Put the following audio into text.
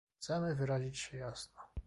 Chcemy wyrazić się jasno